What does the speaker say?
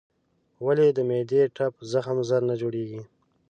ولې د معدې ټپ زخم ژر نه جوړېږي؟